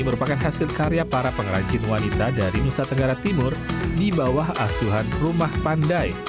merupakan hasil karya para pengrajin wanita dari nusa tenggara timur di bawah asuhan rumah pandai